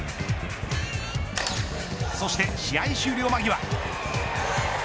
そして試合終了間際。